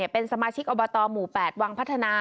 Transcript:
เป็นสมาชิกอบตหมู่๘วังพัฒนา